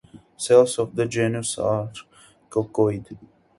Cells of the genus are coccoid.